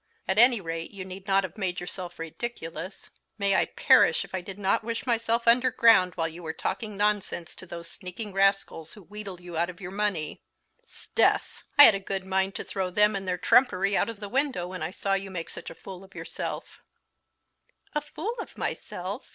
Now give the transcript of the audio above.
At any rate, you need not have made yourself ridiculous. May I perish if I did not wish myself underground while you were talking nonsense to those sneaking rascals who wheedle you out of your money! S'death! I had a good mind to throw them and their trumpery out of the window when I saw you make such a fool of yourself." "A fool of myself!